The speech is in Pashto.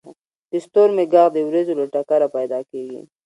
• د ستورمې ږغ د ورېځو له ټکره پیدا کېږي.